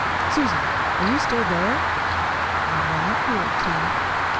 "Susan, are you still there?" "I'm right here, Keith."